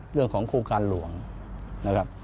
เรื่องของโครงการหลวงนะครับ